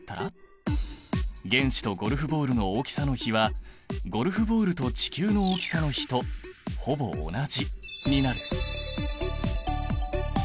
原子とゴルフボールの大きさの比はゴルフボールと地球の大きさの比とほぼ同じになる。